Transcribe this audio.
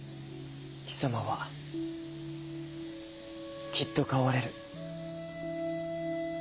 貴様はきっと変われる。